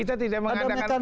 ada mekanisme untuk mengatur